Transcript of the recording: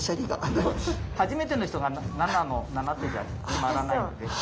初めての人が７の７手じゃ決まらないので。